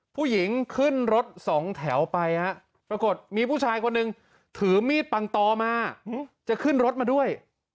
ผู้หญิงขึ้นรถสองแถวไปฮะปรากฏมีผู้ชายคนหนึ่งถือมีดปังตอมาจะขึ้นรถมาด้วย